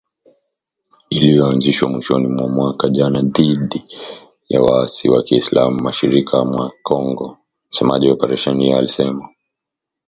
Iliyoanzishwa mwishoni mwa mwaka jana dhidi ya waasi wa kiislam mashariki mwa Kongo msemaji wa operesheni hiyo alisema